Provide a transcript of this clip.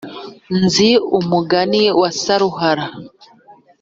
nzi umugani wa saruhara